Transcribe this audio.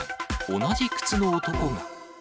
同じ靴の男が。